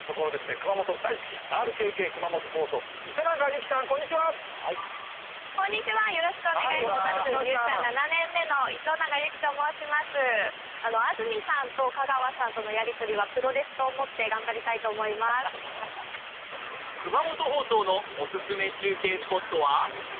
熊本放送のおすすめ中継スポットは？